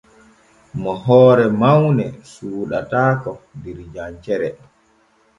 Mo hoore mawne suuɗataako der jancere.